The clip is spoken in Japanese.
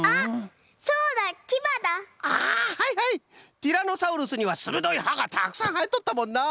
ティラノサウルスにはするどいはがたくさんはえとったもんな。